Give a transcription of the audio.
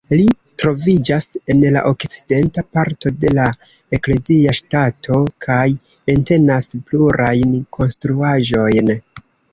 Ili troviĝas en la okcidenta parto de la eklezia ŝtato kaj entenas plurajn konstruaĵojn.